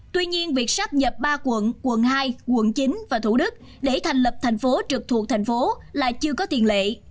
tuy nhiên việc sắp nhập ba quận quận hai quận chín và thủ đức để thành lập thành phố trực thuộc thành phố là chưa có tiền lệ